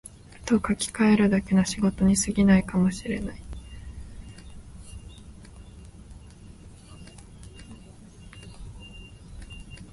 と書きかえるだけの仕事に過ぎないかも知れない